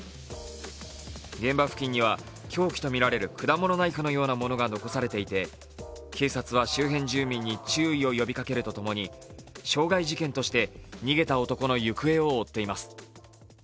現場付近には凶器とみられる果物ナイフのようなものが残されていて警察は周辺住民に注意を呼びかけるとともに傷害事件として逃げた男の行方を追っています。